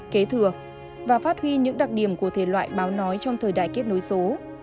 kế thừa và phát huy những đặc điểm của thể loại báo nói trong thời đại kết nối số